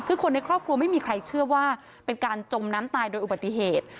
คือคนในครอบครัวไม่มีใครเชื่อว่าเป็นการจมน้ำตายโดยอุบัติเหตุ